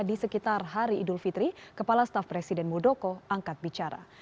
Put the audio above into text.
di sekitar hari idul fitri kepala staf presiden muldoko angkat bicara